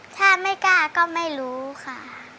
ถ้าไม่กล้าก็ไม่รู้ค่ะ